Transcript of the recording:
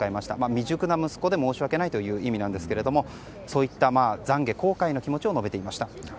未熟な息子で申し訳ないということですが懺悔、後悔の気持ちを述べていました。